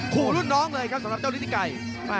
ขู่รุ่นน้องเลยครับสำหรับเจ้าฤทธิไก่